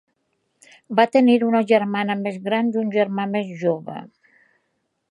Va tenir una germana més gran i un germà més jove.